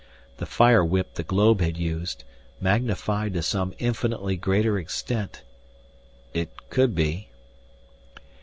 The fire whip the globe had used, magnified to some infinitely greater extent ? It could be.